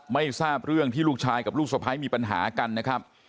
ไม่ทราบเรื่องที่ลูกชายกับลูกสะพ้ายมีปัญหากันนะครับ